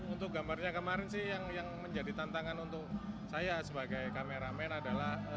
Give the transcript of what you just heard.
untuk gambarnya kemarin sih yang menjadi tantangan untuk saya sebagai kameramen adalah